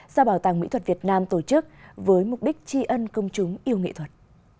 do bảo tàng mỹ thuật việt nam tổ chức với mục đích tri ân công chúng yêu nghệ thuật